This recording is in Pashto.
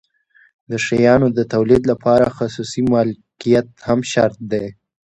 د شیانو د تولید لپاره خصوصي مالکیت هم شرط دی.